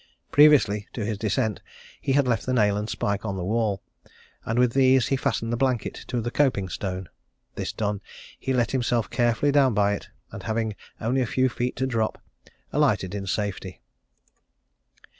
Previously to his descent, he had left the nail and spike on the wall, and with these he fastened the blanket to the coping stone. This done, he let himself carefully down by it, and having only a few feet to drop, alighted in safety.